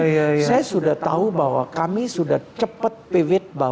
jadi saya sudah tahu bahwa kami sudah cepet pivot bahwa